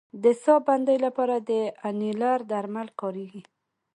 د ساه بندۍ لپاره د انیلر درمل کارېږي.